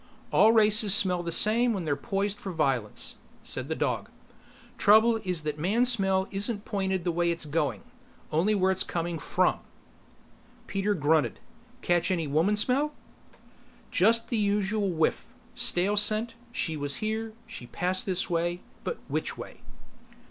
"All races smell the same when they are poised for violence," said the dog. "Trouble is that man smell isn't pointed the way it's going, only where it's coming from." Peter grunted. "Catch any woman smell?" "Just the usual whiff. Stale scent. She was here; she passed this way. But which way?"